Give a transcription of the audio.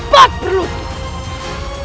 mahesha pereskan gadis ini